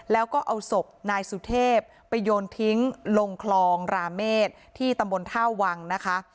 แล้วก็เอาศพนายสุเทพไปโยนทิ้งลงคลองราเมษที่ตำบลท่าวังนะคะ